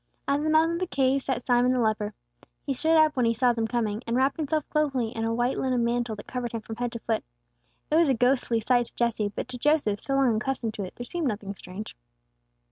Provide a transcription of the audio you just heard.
At the mouth of the cave sat Simon the leper. He stood up when he saw them coming, and wrapped himself closely in a white linen mantle that covered him from head to foot. It was a ghostly sight to Jesse; but to Joseph, so long accustomed to it, there seemed nothing strange.